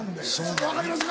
分かりますか？